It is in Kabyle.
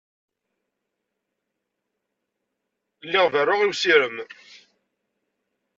Lliɣ berruɣ i usirem.